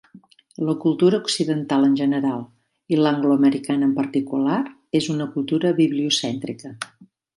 La cultura occidental en general i l'angloamericana en particular, és una cultura bibliocèntrica .